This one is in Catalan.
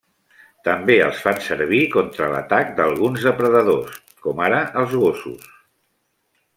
També els fan servir contra l'atac d'alguns depredadors com ara els gossos.